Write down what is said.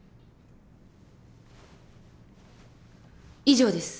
以上です。